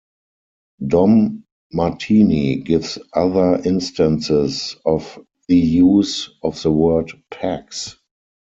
Dom Martene gives other instances of the use of the word "Pax".